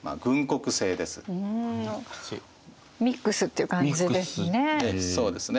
ミックスっていう感じですね。